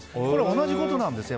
同じことなんですよ。